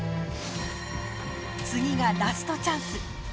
次がラストチャンス。